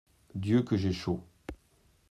Dieu, que j’ai chaud !